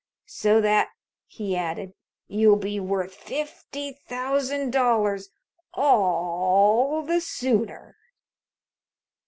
So that," he added, "you'll be worth fifty thousand dollars all the sooner."